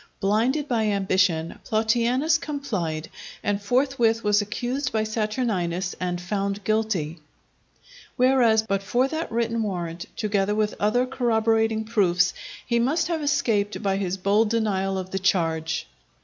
Blinded by ambition, Plautianus complied, and forthwith was accused by Saturninus and found guilty; whereas, but for that written warrant, together with other corroborating proofs, he must have escaped by his bold denial of the charge.